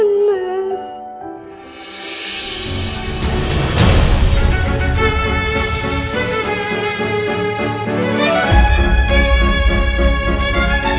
nih sepatu satujuun ya